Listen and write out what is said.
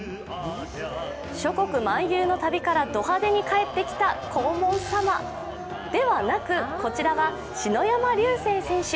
諸国漫遊の旅からド派手に帰ってきた黄門様ではなく、こちらは篠山竜青選手。